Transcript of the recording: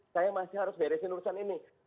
saya masih harus beresin urusan ini